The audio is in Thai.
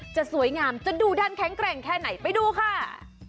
จะสวยงามจะดูดันแข็งแกร่งแค่ไหนไปดูค่ะ